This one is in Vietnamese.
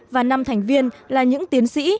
và năm thành viên là những tiến sĩ